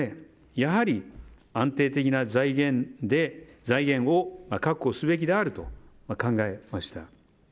やはり安定的な財源を確保すべきであると考えました。